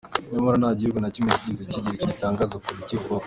Nyamara nta gihugu na kimwe kigeze kigira icyo gitangaza ku bikivugwaho.